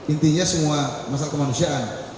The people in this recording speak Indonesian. intinya semua masalah kemanusiaan